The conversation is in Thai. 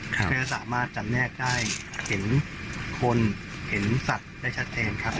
ก็จะสามารถจำแนกได้เห็นคนเห็นสัตว์ได้ชัดเจนครับ